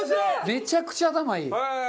めちゃくちゃ頭いい。